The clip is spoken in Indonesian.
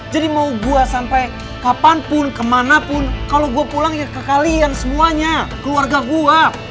jadi mau gue sampai kapanpun kemanapun kalo gue pulang ya ke kalian semuanya keluarga gue